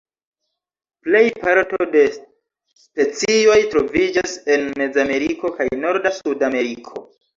Plej parto de specioj troviĝas en Mezameriko kaj norda Sudameriko.